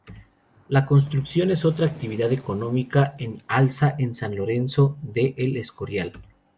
La construcción es otra actividad económica en alza en San Lorenzo de El Escorial.